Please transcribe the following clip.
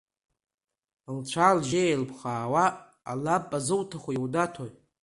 Лцәа-лжьы еилԥхаауа, алампа зуҭахи иунаҭои?